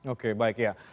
oke baik ya